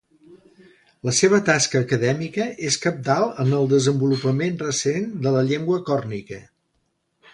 La seva tasca acadèmica és cabdal en el desenvolupament recent de la llengua còrnica.